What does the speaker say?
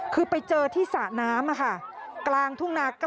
คือไปเจอที่สระน้ำกลางทุ่งนา๙